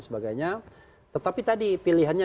sebagainya tetapi tadi pilihannya